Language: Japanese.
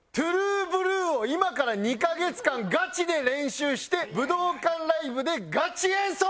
『ＴＲＵＥＢＬＵＥ』を今から２カ月間ガチで練習して武道館ライブでガチ演奏！